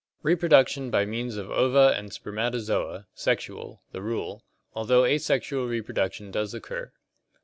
Reproduction by means of ova and sper matozoa (sexual) the rule, although asexual reproduction does occur.